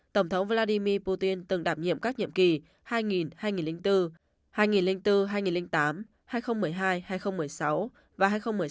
tổng thống vladimir putin từng đạp nhiệm các nhiệm kỳ hai nghìn hai nghìn bốn hai nghìn bốn hai nghìn tám hai nghìn một mươi hai hai nghìn một mươi sáu và hai nghìn một mươi sáu hai nghìn hai mươi bốn